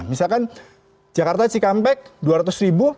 misalkan jakarta cikampek dua ratus ribu